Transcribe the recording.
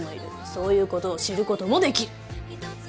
そういう事を知る事もできる。